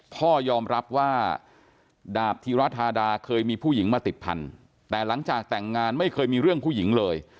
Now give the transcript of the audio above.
พ่อยอมรับว่าดาบธีรธาดาเคยมีผู้หญิงมาติดพันธุ์แต่หลังจากแต่งงานไม่เคยมีเรื่องผู้หญิงเลย